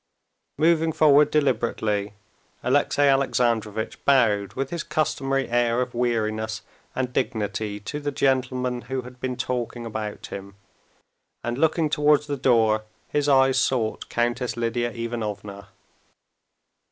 Moving forward deliberately, Alexey Alexandrovitch bowed with his customary air of weariness and dignity to the gentleman who had been talking about him, and looking towards the door, his eyes sought Countess Lidia Ivanovna.